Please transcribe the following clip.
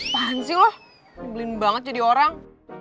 pansi lo ngebelin banget jadi orang